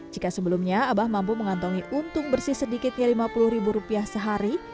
jika sebelumnya abah mampu mengantongi untung bersih sedikitnya lima puluh ribu rupiah sehari